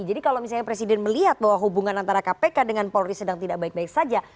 jadi kalau misalnya presiden melihat bahwa hubungan antara kpk dengan polri sedang tidak baik baik saja